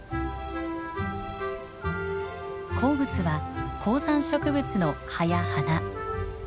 好物は高山植物の葉や花。